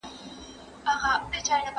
د مېوو خوړل د بدن د روغتیا پوره ضامن دی.